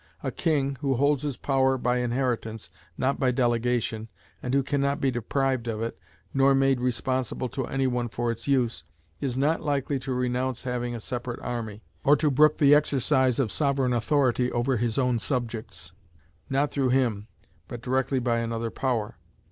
A king, who holds his power by inheritance, not by delegation, and who can not be deprived of it, nor made responsible to any one for its use, is not likely to renounce having a separate army, or to brook the exercise of sovereign authority over his own subjects, not through him, but directly by another power.